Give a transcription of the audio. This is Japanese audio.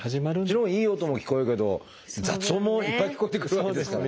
もちろんいい音も聞こえるけど雑音もいっぱい聞こえてくるわけですからね。